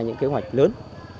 những kế hoạch lớn